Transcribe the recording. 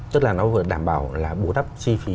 tức là nó đảm bảo là bù đắp chi phí